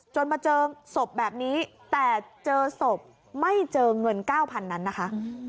มาเจอศพแบบนี้แต่เจอศพไม่เจอเงิน๙๐๐นั้นนะคะ